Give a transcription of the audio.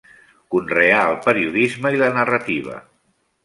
Conreà el periodisme i la narrativa.